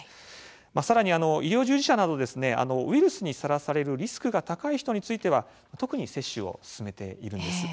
さらに医療従事者などウイルスにさらされるリスクが高い人については特に接種を勧めているんです。